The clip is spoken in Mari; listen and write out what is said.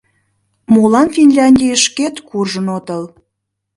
— Молан Финляндийышкет куржын отыл?»